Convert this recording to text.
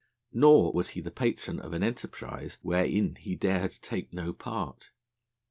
Nor was he the patron of an enterprise wherein he dared take no part.